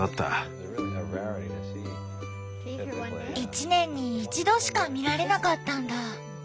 一年に一度しか見られなかったんだ。